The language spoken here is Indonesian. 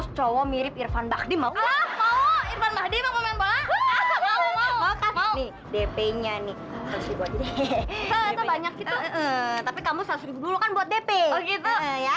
sampai jumpa di video selanjutnya